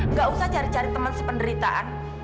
nggak usah cari cari teman sependeritaan